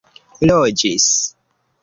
loĝis